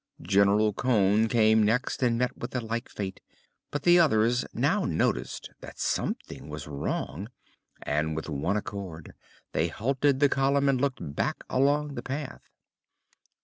General Cone came next and met with a like fate, but the others now noticed that something was wrong and with one accord they halted the column and looked back along the path.